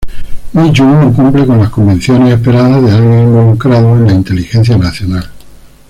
Mi-jung no cumple con las convenciones esperadas de alguien involucrado en la inteligencia nacional.